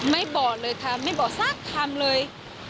บอกเลยค่ะไม่บอกสักคำเลย